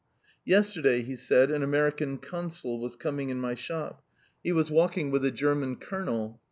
"Yesterday," he said, "an American Consul was coming in my shop. He was walking with a German Colonel.